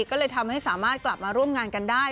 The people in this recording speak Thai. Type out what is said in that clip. ก็เลยทำให้สามารถกลับมาร่วมงานกันได้